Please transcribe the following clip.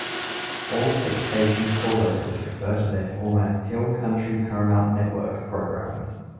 All six stations' call letters refer to their former "Hill Country Paramount Network" programming.